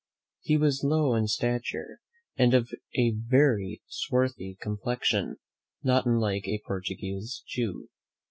He was low of stature, and of a very swarthy complexion, not unlike a Portuguese Jew.